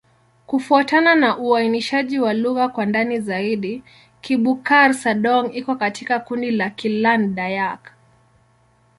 Kufuatana na uainishaji wa lugha kwa ndani zaidi, Kibukar-Sadong iko katika kundi la Kiland-Dayak.